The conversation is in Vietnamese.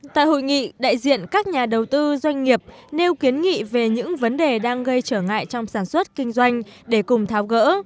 tại hội nghị đại diện các nhà đầu tư doanh nghiệp nêu kiến nghị về những vấn đề đang gây trở ngại trong sản xuất kinh doanh để cùng tháo gỡ